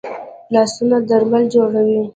لاسونه درمل جوړوي